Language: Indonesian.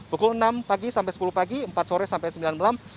pukul enam pagi sampai sepuluh pagi empat sore sampai sembilan malam